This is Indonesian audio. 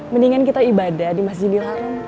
mendingan kita ibadah di masjidil haram